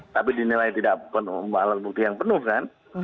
tapi dinilai tidak penuh alat bukti yang penuh kan